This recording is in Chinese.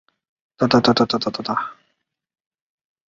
黄素石楼的历史年代为清。